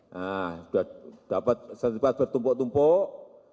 nah sudah dapat sertifikat bertumpuk tumpuk